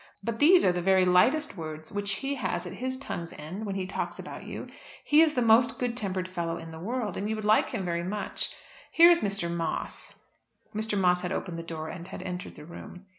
But these are the very lightest words which he has at his tongue's end when he talks about you. He is the most good tempered fellow in the world, and you would like him very much. Here is Mr. Moss." Mr. Moss had opened the door and had entered the room.